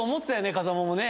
風間もね。